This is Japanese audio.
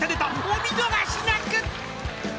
お見逃しなく！］